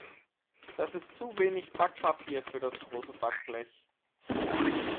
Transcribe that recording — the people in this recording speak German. Das ist zu wenig Backpapier für das große Backblech.